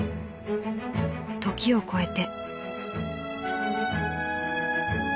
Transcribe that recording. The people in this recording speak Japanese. ［時を超えて］